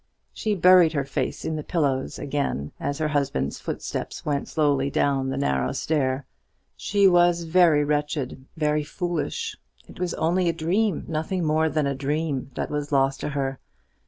She buried her face in the pillows again as her husband's footsteps went slowly down the narrow stairs. She was very wretched, very foolish. It was only a dream nothing more than a dream that was lost to her.